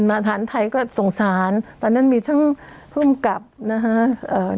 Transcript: สันปรกปรปทานไทยก็สงสารตอนนั้นมีทั้งครึ่มกับนะฮะ